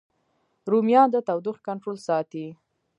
رومیان د تودوخې کنټرول ساتي